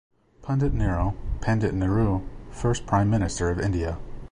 Pundit Nero - Pandit Nehru, first Prime Minister of India.